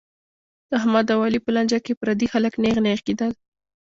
د احمد او علي په لانجه کې پردي خلک نېغ نېغ کېدل.